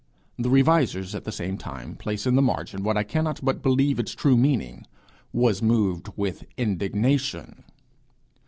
The Revisers, at the same time, place in the margin what I cannot but believe its true meaning 'was moved with indignation.'